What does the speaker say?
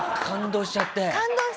感動しちゃって。